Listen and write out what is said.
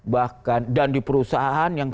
bahkan dan di perusahaan yang